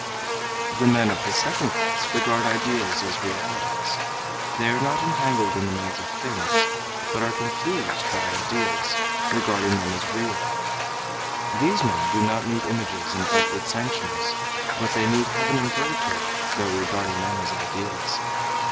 "The men of the second class regard ideas as realities. They are not entangled in the maze of things, but are confused by ideas, regarding them as real. These men do not need images and outward sanctions, but they need heaven and purgatory though regarding them as ideas.